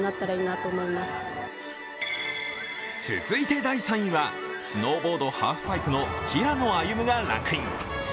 続いて第３位はスノーボードハーフパイプの平野歩夢がランクイン。